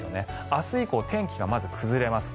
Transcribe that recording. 明日以降、天気がまず崩れます。